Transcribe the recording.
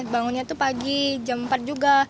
bangunnya itu pagi jam empat juga